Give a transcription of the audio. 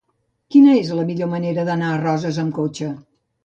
Quina és la millor manera d'anar a Roses amb cotxe?